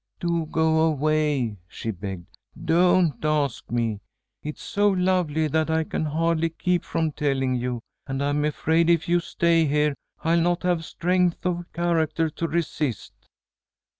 "Do go away," she begged. "Don't ask me! It's so lovely that I can hardly keep from telling you, and I'm afraid if you stay here I'll not have strength of character to resist."